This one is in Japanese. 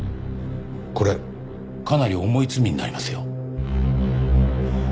これかなり重い罪になりますよ。